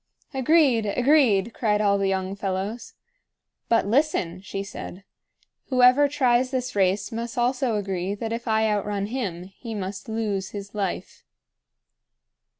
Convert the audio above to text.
"Agreed! agreed!" cried all the young fellows. "But, listen!" she said. "Whoever tries this race must also agree that if I outrun him, he must lose his life."